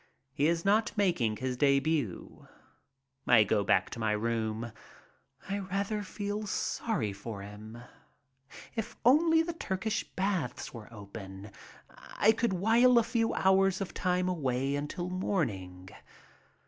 He is not making his debut. I go back to my room. I rather feel sorry for me. If only the Turkish baths were open I could while a few hours of time away until morning.